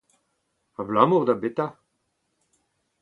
Abalamout da betra ?